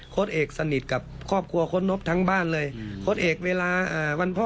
เอกสนิทกับครอบครัวโค้ดนบทั้งบ้านเลยโค้ดเอกเวลาวันพ่อ